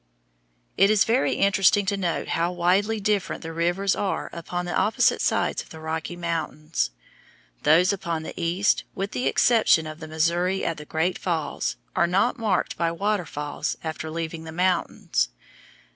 It is very interesting to note how widely different the rivers are upon the opposite sides of the Rocky Mountains. Those upon the east, with the exception of the Missouri at the Great Falls, are not marked by waterfalls after leaving the mountains.